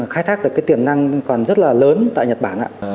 khai thác được cái tiềm năng còn rất là lớn tại nhật bản